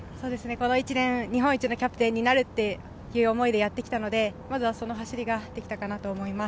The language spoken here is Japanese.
この１年、日本一のキャプテンになるという思いでやってきたので、その走りができたかなと思います。